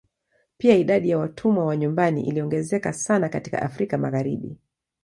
Pia idadi ya watumwa wa nyumbani iliongezeka sana katika Afrika Magharibi.